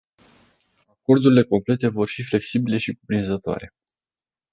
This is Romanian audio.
Acordurile complete vor fi flexibile și cuprinzătoare.